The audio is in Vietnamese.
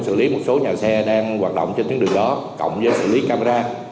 xử lý một số nhà xe đang hoạt động trên tuyến đường đó cộng với xử lý camera